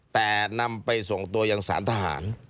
แต่นำไปส่งตัวยังสารทหาร